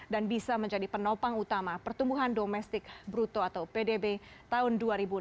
dan bisa menjadi penopang utama pertumbuhan domestik bruto atau pdb tahun dua ribu enam belas